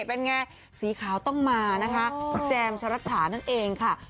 เป็นไงสีขาวต้องมานะคะแจมชะรัฐานั่นเองค่ะ